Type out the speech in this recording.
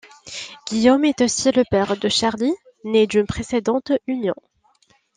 Guillaume est aussi le père de Charlie, née d'une précédente union.